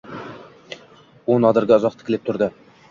U Nodirga uzoq tikilib turdi.